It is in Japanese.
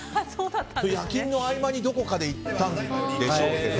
夜勤の合間にどこかで行ったんでしょうけど。